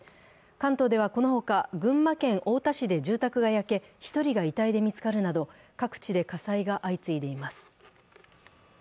関東ではこの他、群馬県太田市で住宅が焼け１人が遺体で見つかるなど各地で火災が相次いでいます。